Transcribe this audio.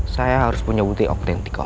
saya harus punya bukti autentik om